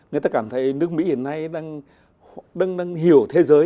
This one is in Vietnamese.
người ta cảm thấy nước mỹ hiện nay đang hiểu thế giới